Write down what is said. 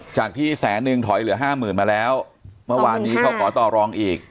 จากที่แสนนึงถอยเหลือห้าหมื่นมาแล้วเมื่อวานนี้เขาขอต่อรองอีก